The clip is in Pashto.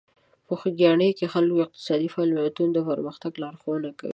په خوږیاڼي کې د خلکو اقتصادي فعالیتونه د پرمختګ لارښوونه کوي.